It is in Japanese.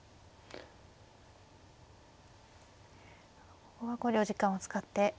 ここは考慮時間を使って考えますね。